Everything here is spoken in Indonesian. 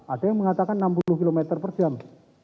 ada yang mengatakan enam puluh km per jam